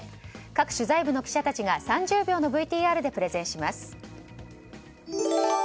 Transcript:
各取材部の記者たちが３０秒のＶＴＲでプレゼンします。